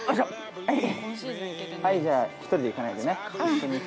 はい、じゃあ１人で行かないでね。